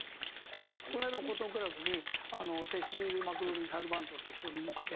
この間もコットンクラブにセシル・マクロリン・サルヴァントっていう人を見に行って。